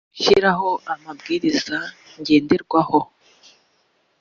gushyiraho amabwiriza ngenderwaho